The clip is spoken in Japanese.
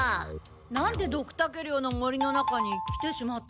なんでドクタケ領の森の中に来てしまったんだろう？